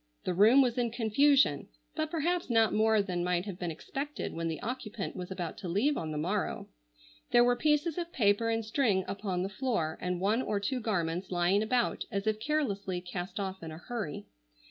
The room was in confusion, but perhaps not more than might have been expected when the occupant was about to leave on the morrow. There were pieces of paper and string upon the floor and one or two garments lying about as if carelessly cast off in a hurry.